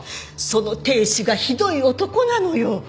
その亭主がひどい男なのよ。